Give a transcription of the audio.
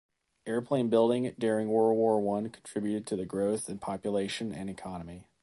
Airplane building during World War One contributed to the growth in population and economy.